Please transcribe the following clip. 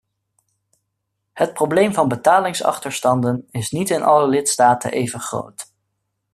Het probleem van betalingsachterstanden is niet in alle lidstaten even groot.